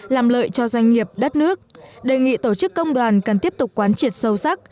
làm lợi cho doanh nghiệp đất nước đề nghị tổ chức công đoàn cần tiếp tục quán triệt sâu sắc